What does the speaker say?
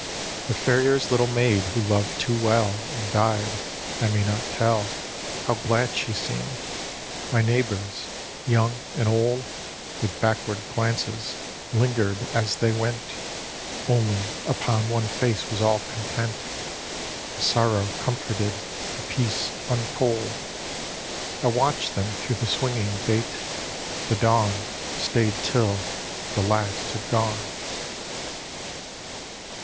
The farrier's little maid who loved too well And died — I may not tell How glad she seemed. My neighbors, young uid old, With backward glances lingered as they went; Only upon one face was all content, A sorrow comforted — a peace untold. I viratched diem through the swinging gate — the dawn Stayed till the last had gone.